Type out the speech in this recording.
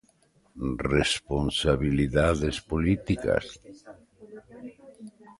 Responsabilidades políticas?